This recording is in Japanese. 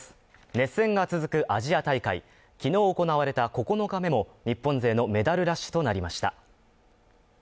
熱戦が続くアジア大会昨日行われた９日目も日本勢のメダルラッシュとなりました。